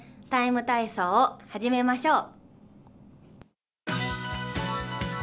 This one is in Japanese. ＴＩＭＥ，体操」を始めましょう。